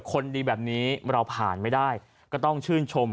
คนดีแบบนี้เราผ่านไม่ได้ก็ต้องชื่นชม